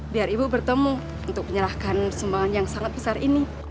biar ibu bertemu untuk menyerahkan semangat yang sangat besar ini